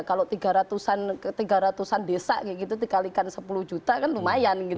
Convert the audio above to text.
kalau tiga ratus an desa kayak gitu dikalikan sepuluh juta kan lumayan